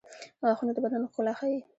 • غاښونه د بدن ښکلا ښيي.